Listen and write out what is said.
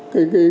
cái giá trị